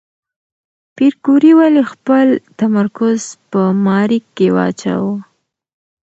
پېیر کوري ولې خپل تمرکز په ماري کې واچاوه؟